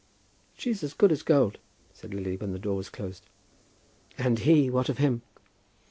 "She's as good as gold," said Lily, when the door was closed. "And he; what of him?"